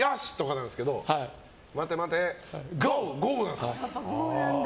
なんですけど待て待てゴー！なんですか。